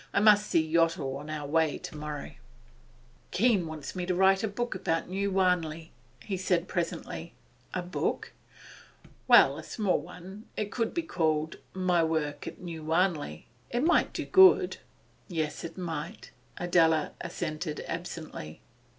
I must see Yottle on our way tomorrow.' 'Keene wants me to write a book about New Wanley,' he said presently. 'A book?' 'Well, a small one. It could be called, "My Work at New Wanley." It might do good.' 'Yes, it might,' Adela assented absently.